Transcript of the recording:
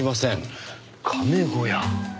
カメ小屋。